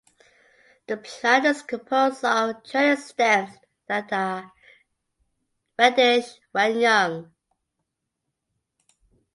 The plant is composed of trailing stems that are reddish when young.